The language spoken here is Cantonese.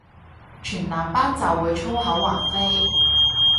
全男班就會粗口橫飛